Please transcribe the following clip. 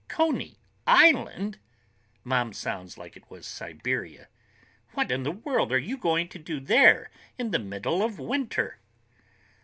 "Coney ISLAND!" Mom sounds like it was Siberia. "What in the world are you going to do there in the middle of winter?"